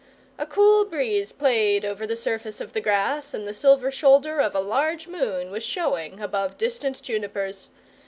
A cool breeze played over the surface of the grass and the silver shoulder of a large moon was showing above distant junipers.